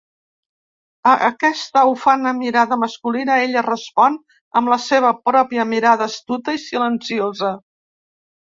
A aquesta ufana mirada masculina ella respon amb la seva pròpia mirada astuta i silenciosa.